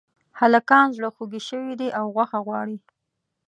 هلکان زړخوږي شوي دي او غوښه غواړي